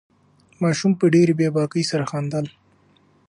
ماشوم په ډېرې بې باکۍ سره خندل.